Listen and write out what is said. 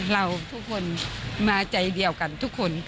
เราทุกคนมาใจเดียวกันทุกคน